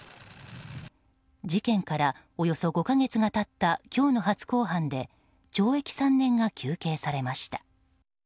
事件から、およそ５か月が経った今日の初公判で懲役３年が求刑されました。